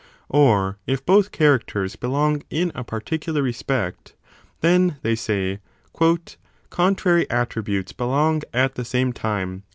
Or if both characters belong in a particular respect, then, they say, contrary attributes belong at the same time